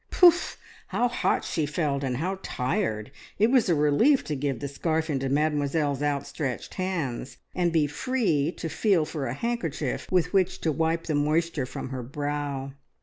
Poof how hot she felt, and how tired! It was a relief to give the scarf into Mademoiselle's outstretched hands, and be free to feel for a handkerchief with which to wipe the moisture from her brow.